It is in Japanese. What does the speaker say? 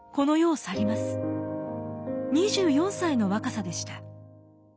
２４歳の若さでした。